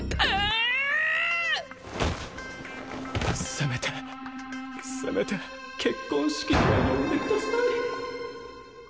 せめてせめて結婚式には呼んでください